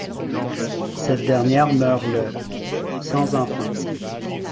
Cette dernière meurt le sans enfant.